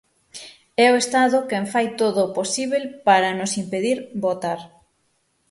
É o Estado quen fai todo o posíbel para nos impedir votar.